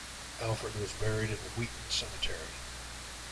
Alfred was buried in Wheaton Cemetery.